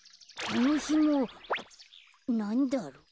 このひもなんだろう。